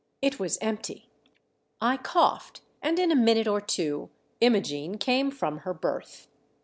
It was em.pty. I coughed, and in a minute or two Imogene came from her berth.